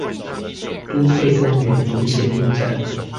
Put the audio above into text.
都會公園文賢路站